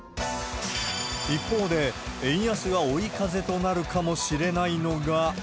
一方で、円安が追い風となるかもしれないのが。